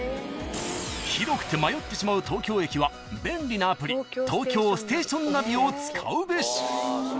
［広くて迷ってしまう東京駅は便利なアプリ東京ステーションナビを使うべし］